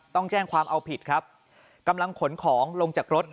ต้องแจ้งความเอาผิดครับกำลังขนของลงจากรถ